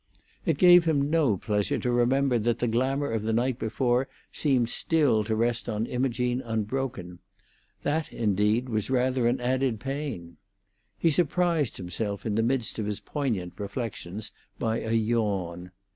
It gave him no pleasure to remember that the glamour of the night before seemed still to rest on Imogene unbroken; that, indeed, was rather an added pain. He surprised himself in the midst of his poignant reflections by a yawn.